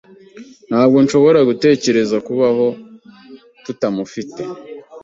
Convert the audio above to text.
Ntabwo nshobora gutekereza kubaho tutamufite.